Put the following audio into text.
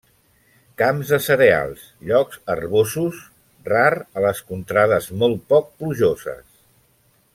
Camps de cereals, llocs herbosos; rar a les contrades molt poc plujoses.